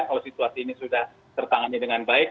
kalau situasi ini sudah tertangani dengan baik